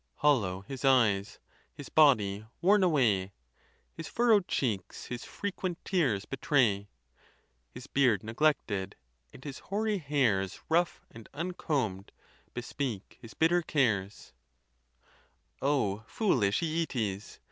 Hollow his eyes, his body worn away, His furrow'd cheeks his frequent tears betray ; His beard neglected, and his hoary hairs Rough and uncomb'd, bespeak his bitter cares, O foolish AXetes!